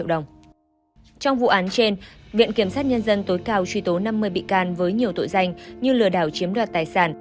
trong vụ án trên viện kiểm sát nhân dân tối cao truy tố năm mươi bị can với nhiều tội danh như lừa đảo chiếm đoạt tài sản